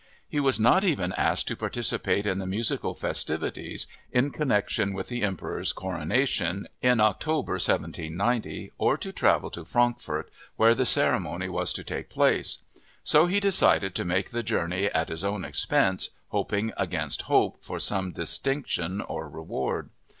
He was not even asked to participate in the musical festivities in connection with the Emperor's coronation in October 1790, or to travel to Frankfurt, where the ceremony was to take place. So he decided to make the journey at his own expense, hoping against hope for some distinction or reward.